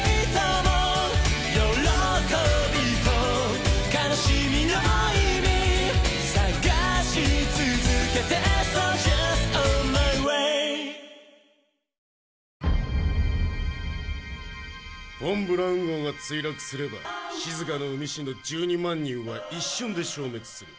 フォン・ブラウン号が墜落すれば静かの海市の１２万人は一瞬で消滅する。